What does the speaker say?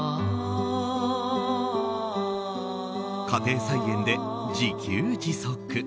家庭菜園で自給自足。